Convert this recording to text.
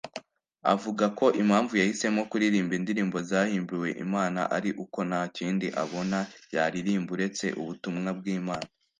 Avuga ko impamvu yahisemo kuririmba indirimbo zahimbiwe Imana ari uko ntakindi abona yaririmba uretse ubutumwa bw’Imana